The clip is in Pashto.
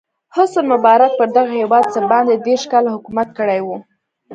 حسن مبارک پر دغه هېواد څه باندې دېرش کاله حکومت کړی و.